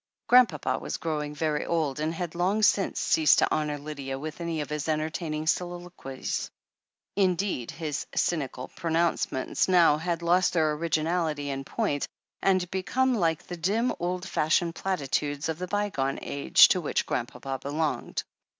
Grandpapa was growing very old, and had long since ceased to honour Lydia with any of his entertaining soliloquies ; indeed his C3mical pronouncements now had lost their originality and point, and become like the dim, old fashioned platitudes of the bygone age to which Grandpapa belonged.